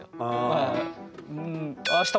はい。